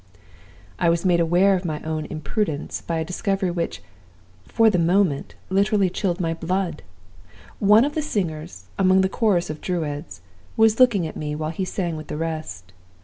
"I was made aware of my own imprudence by a discovery which, for the moment, literally chilled my blood. One of the singers, among the chorus of Druids, was looking at me while he sang with the rest.